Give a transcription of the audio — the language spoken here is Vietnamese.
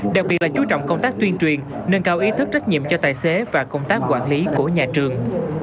đặc biệt là chú trọng công tác tuyên truyền nâng cao ý thức trách nhiệm cho tài xế và công tác quản lý của nhà trường